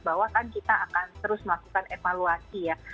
bahwa kan kita akan terus melakukan evaluasi ya